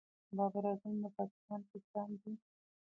بابر اعظم د پاکستان کپتان دئ.